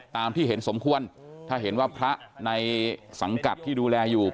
ตามที่เห็นสมควรถ้าเห็นว่าพระในสังกัดที่ดูแลอยู่